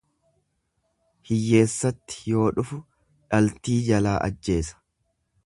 Hiyyeessatti yoo dhufu dhaltii jalaa ajjeesa.